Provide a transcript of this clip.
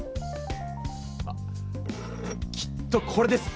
あきっとこれです！